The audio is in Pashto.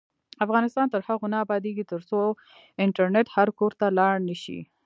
افغانستان تر هغو نه ابادیږي، ترڅو انټرنیټ هر کور ته لاړ نشي.